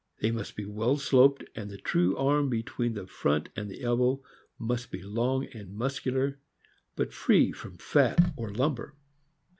They must be well sloped, and the true arm between the front and the elbow must be long and muscular, but free from fat or lumber.